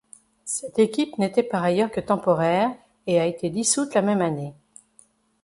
Cette équipe n'était par ailleurs que temporaire, et a été dissoute la même année.